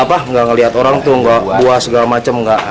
karena kita tidak melihat orang buah segala macam